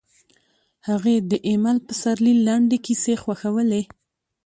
هغې د ایمل پسرلي لنډې کیسې خوښولې